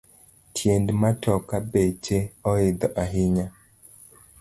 Tiend matoka beche oidho ahinya